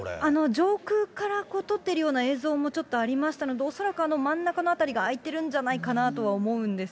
上空から撮っているような映像もちょっとありましたので、恐らく真ん中の辺りが開いてるんじゃないかなとは思うんです